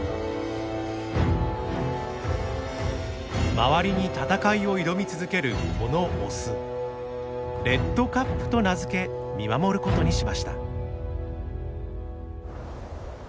周りに闘いを挑み続けるこのオス「レッドカップ」と名付け見守ることにしました。